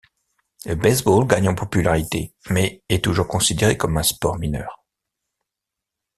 Le baseball gagne en popularité, mais est toujours considéré comme un sport mineur.